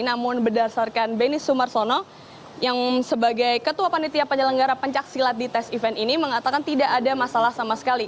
namun berdasarkan beni sumarsono yang sebagai ketua panitia penyelenggara pencaksilat di tes event ini mengatakan tidak ada masalah sama sekali